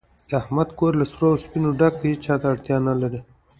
د احمد کور له سرو سپینو نه ډک دی، هېچاته اړتیا نه لري.